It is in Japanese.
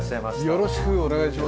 よろしくお願いします。